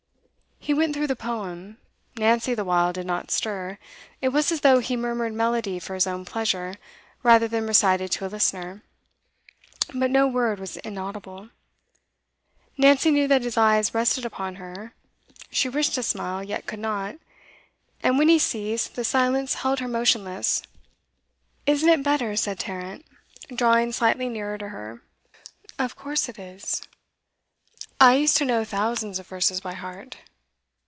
He went through the poem; Nancy the while did not stir. It was as though he murmured melody for his own pleasure, rather than recited to a listener; but no word was inaudible. Nancy knew that his eyes rested upon her; she wished to smile, yet could not. And when he ceased, the silence held her motionless. 'Isn't it better?' said Tarrant, drawing slightly nearer to her. 'Of course it is.' 'I used to know thousands of verses by heart.